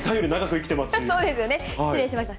そうですよね、失礼しました。